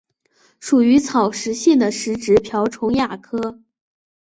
属于草食性的食植瓢虫亚科。